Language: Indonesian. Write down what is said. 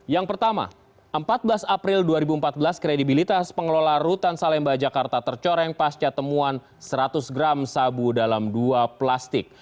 yang pertama empat belas april dua ribu empat belas kredibilitas pengelola rutan salemba jakarta tercoreng pasca temuan seratus gram sabu dalam dua plastik